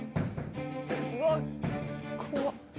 うわ怖っ。